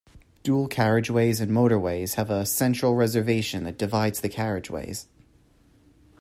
Dual-carriageways and motorways have a central reservation that divides the carriageways